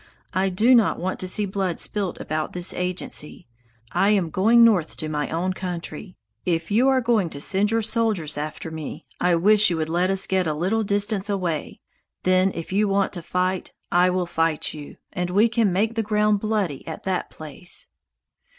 I do not want to see blood spilt about this agency. I am going north to my own country. If you are going to send your soldiers after me, I wish you would let us get a little distance away. Then if you want to fight, I will fight you, and we can make the ground bloody at that place."